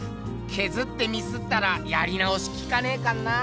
削ってミスったらやり直しきかねえかんなあ。